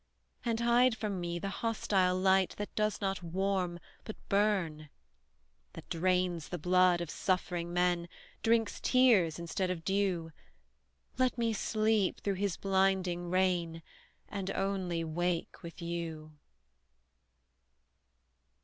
And hide me from the hostile light That does not warm, but burn; That drains the blood of suffering men; Drinks tears, instead of dew; Let me sleep through his blinding reign, And only wake with you!